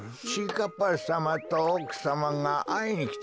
かっぱさまとおくさまがあいにきてくれたぞ。